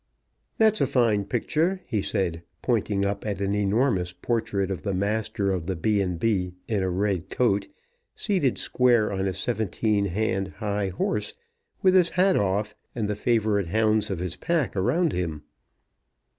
"That's a fine picture," he said, pointing up at an enormous portrait of the Master of the B. B., in a red coat, seated square on a seventeen hand high horse, with his hat off, and the favourite hounds of his pack around him.